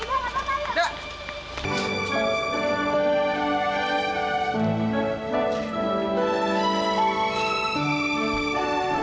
udah gak apa apa